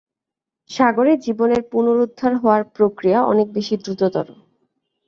সাগরে জীবনের পুনরুদ্ধার হওয়ার প্রক্রিয়া অনেক বেশি দ্রুততর।